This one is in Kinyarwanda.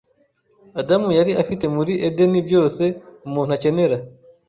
Adamu yari afite muri Edenibyose umuntu akenera